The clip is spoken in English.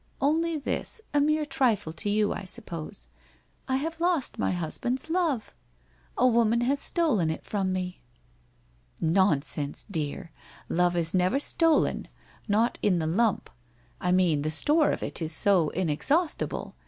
' Only this, a mere trifle to you, I suppose. I have lost my husband's love. A woman has stolen it from me/ ' Nonsense, dear. Love is never stolen — not in the lump ■— I mean the store of it is so inexhaustible.